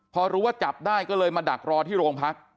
พอรู้ว่าจับได้ก็เลยมาดักรอที่โรงพัก